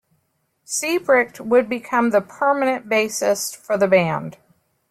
Siebricht would become the permanent bassist for the band.